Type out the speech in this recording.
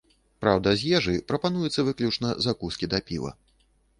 Праўда, з ежы прапануюцца выключна закускі да піва.